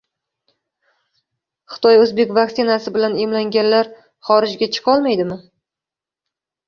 Xitoy-o‘zbek vaksinasi bilan emlanganlar xorijga chiqolmaydimi?